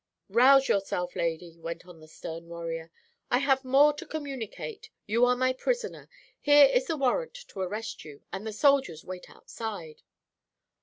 "'Rouse yourself, Lady,' went on the stern warrior 'I have more to communicate. You are my prisoner. Here is the warrant to arrest you, and the soldiers wait outside.'